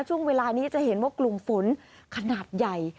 ช่วงเวลานี้จะเห็นว่ากลุ่มฝนขนาดใหญ่